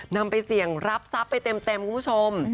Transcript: นำไปเสี่ยงรับทรัพย์ไปเต็มคุณผู้ชม